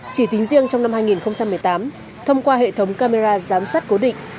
chỉ tính riêng trong năm hai nghìn một mươi tám thông qua hệ thống camera giám sát cố định